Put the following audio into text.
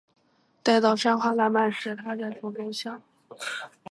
待到山花烂漫时，她在丛中笑。